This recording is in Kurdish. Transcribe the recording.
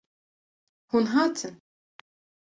Hûn hatin.